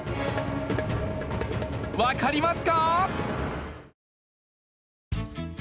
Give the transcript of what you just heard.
わかりますか？